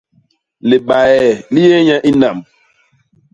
Libae li yé nye i nam.